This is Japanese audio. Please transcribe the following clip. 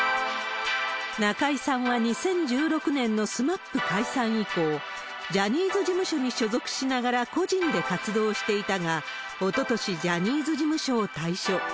中居さんは２０１６年のＳＭＡＰ解散以降、ジャニーズ事務所に所属しながら個人で活動していたが、おととしジャニーズ事務所を退所。